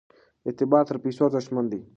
اعتبار تر پیسو ارزښتمن دی.